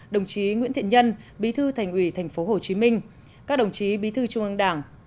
đồng chí nguyễn thiện nhân bí thư thành ủy tp hcm các đồng chí bí thư trung ương đảng